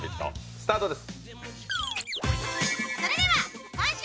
スタートです。